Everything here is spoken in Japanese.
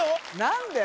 何で？